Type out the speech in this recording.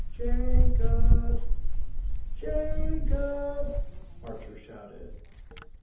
"Ja cob! Ja cob!" Archer shouted.